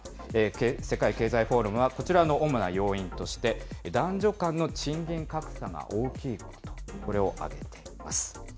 世界経済フォーラムはこちらの主な要因として、男女間の賃金格差が大きいこと、これを挙げています。